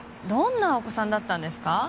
なお子さんだったんですか？